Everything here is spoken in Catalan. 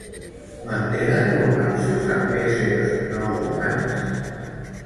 Mantenen romanços amb éssers no humans?